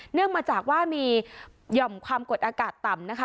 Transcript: มาจากว่ามีหย่อมความกดอากาศต่ำนะคะ